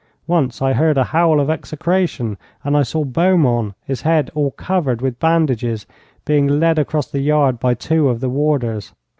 Once I heard a howl of execration, and I saw Beaumont, his head all covered with bandages, being led across the yard by two of the warders.